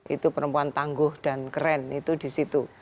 itu perempuan tangguh dan keren itu di situ